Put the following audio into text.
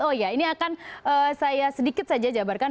oh ya ini akan saya sedikit saja jabarkan